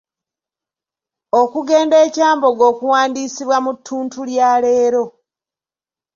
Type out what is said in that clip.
Okugenda e Kyambogo okuwandiisibwa mu ttuntu lya leero.